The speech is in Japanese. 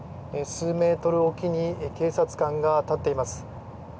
数メートルおきに警察官が立っています。